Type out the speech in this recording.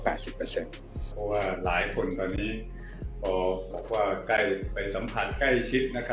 ผู้ผู้หญิงหลายคนตอนนี้กลับไปสัมผัสใกล้ชิด